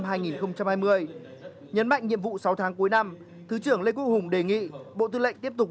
nhấn mạnh nhiệm vụ sáu tháng cuối năm thứ trưởng lê quốc hùng đề nghị bộ tư lệnh tiếp tục